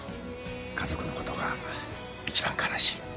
家族のことが一番悲しい。